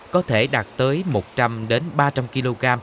có thể đạt tới một trăm linh ba trăm linh kg